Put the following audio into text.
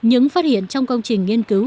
những phát hiện trong công trình nghiên cứu